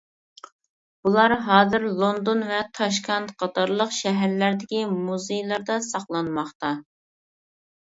بۇلار ھازىر لوندون ۋە تاشكەنت قاتارلىق شەھەرلەردىكى مۇزېيلاردا ساقلانماقتا.